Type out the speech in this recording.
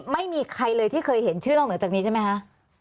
ไม่มีใครเลยที่เคยเห็นชื่อนอกเหนือจากนี้ใช่ไหมคะ